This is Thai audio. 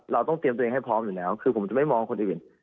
เราต้องเตรียมตัวเองให้พร้อมอยู่แล้วคือผมจะไม่มองคนอื่น